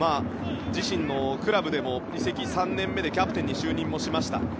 自身のクラブでも移籍３年目でキャプテンに就任もしました。